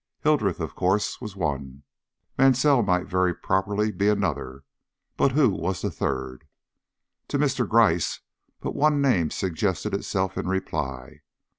Hildreth, of course, was one, Mansell might very properly be another, but who was the third? To Mr. Gryce, but one name suggested itself in reply.